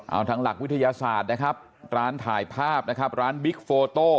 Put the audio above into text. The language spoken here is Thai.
เอาทางหลักวิทยาศาสตร์นะครับร้านถ่ายภาพนะครับร้านบิ๊กโฟโต้